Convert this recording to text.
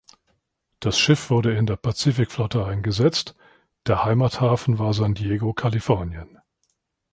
Das Schiff wurde in der Pazifikflotte eingesetzt, der Heimathafen war San Diego, Kalifornien.